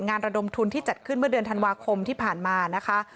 ระดมทุนที่จัดขึ้นเมื่อเดือนธันวาคมที่ผ่านมานะคะ